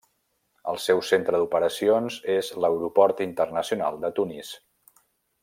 El seu centre d'operacions és l'Aeroport Internacional de Tunis.